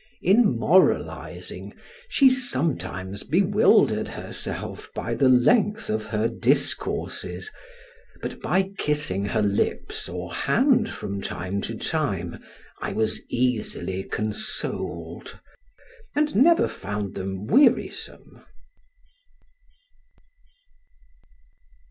In moralizing she sometimes bewildered herself by the length of her discourse; but by kissing her lips or hand from time to time I was easily consoled, and never found them wearisome.